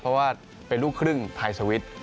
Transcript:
เพราะว่าเป็นลูกครึ่งไทยสวิตช์